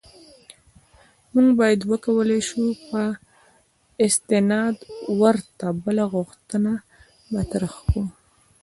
موږ باید وکولای شو په استناد ورته بله غوښتنه مطرح کړو.